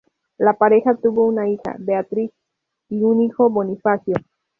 La pareja tuvo una hija, Beatrice, y un hijo, Bonifacio.